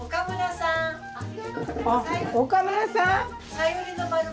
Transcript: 岡村さん？